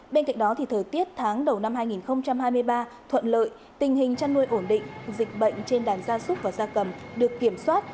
bên cạnh đó thời tiết tháng đầu năm hai nghìn hai mươi ba thuận lợi tình hình chăn nuôi ổn định dịch bệnh trên đàn gia súc và gia cầm được kiểm soát